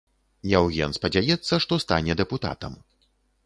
Яўген спадзяецца, што стане дэпутатам.